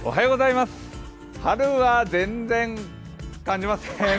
春は全然感じません。